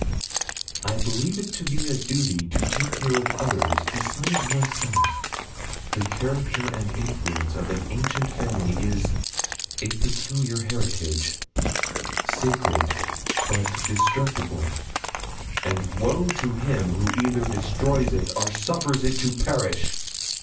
I believe it to be a duty to take care of others beside myself. The character and influence of an ancient family is a peculiar heritage sacred but destructible; and woe to him who either destroys or suffers it to perish!'